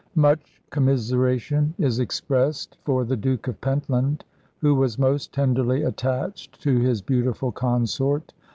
"Much commiseration is expressed for the Duke of Pentland, who was most tenderly attached to his beautiful consort.